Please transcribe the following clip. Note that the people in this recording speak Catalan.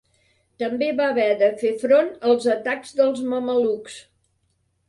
També va haver de fer front als atacs dels mamelucs.